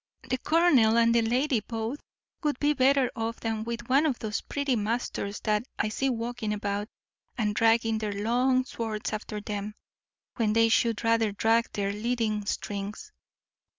The colonel and the lady both would be better off than with one of those pretty masters that I see walking about, and dragging their long swords after them, when they should rather drag their leading strings."